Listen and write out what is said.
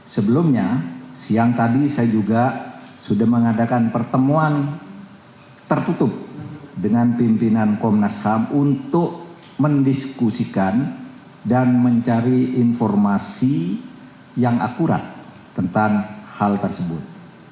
sebelumnya siang tadi saya juga sudah mengadakan pertemuan tertutup dengan pimpinan komnas ham untuk mendiskusikan dan mencari informasi yang akurat tentang hal tersebut